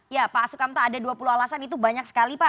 ya pak sukamta ada dua puluh alasan itu banyak sekali pak